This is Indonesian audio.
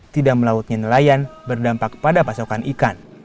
tidak melautnya nelayan berdampak pada pasokan ikan